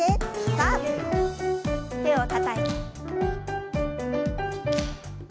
さあ手をたたいて。